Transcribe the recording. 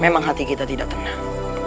memang hati kita tidak tenang